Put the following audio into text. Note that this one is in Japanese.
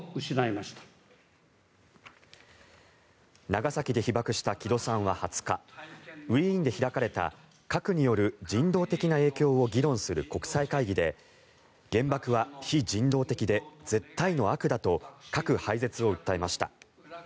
長崎で被爆した木戸さんは２０日ウィーンで開かれた核による人道的な影響を議論する国際会議で原爆は非人道的で絶対の悪だと核廃絶を訴えました。